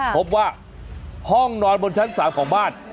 พบว่าห้องนอนบนชั้น๓ของบ้าน